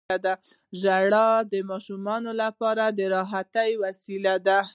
• ژړا د ماشومانو لپاره د راحت یوه وسیله ده.